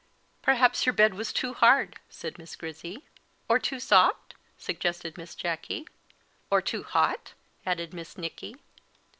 "Perhaps your bed was too hard?" said Miss Grizzy. "Or too soft?" suggested Miss Jacky. "Or too hot?" added Miss Nicky.